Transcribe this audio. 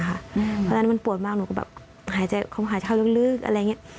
เพราะฉะนั้นมันปวดมากหนูก็แบบหายใจเขาหายเท้าลึกอะไรอย่างนี้